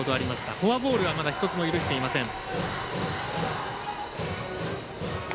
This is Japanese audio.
フォアボールはまだ一つも許していません。